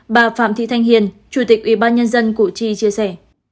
bà phạm thị thanh hiền chủ tịch ủy ban nhân dân củ chi chia sẻ